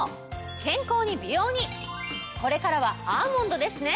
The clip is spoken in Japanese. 健康に美容にこれからはアーモンドですね！